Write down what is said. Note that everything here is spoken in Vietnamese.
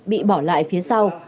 bị bỏ lại phía sau